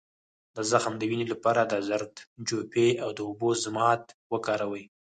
د زخم د وینې لپاره د زردچوبې او اوبو ضماد وکاروئ